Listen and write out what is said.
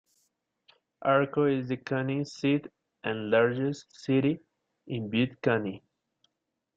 Arco is the county seat and largest city in Butte County.